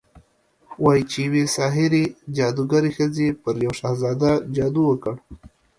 وايي چې يوې ساحرې، جادوګرې ښځې پر يو شهزاده جادو وکړ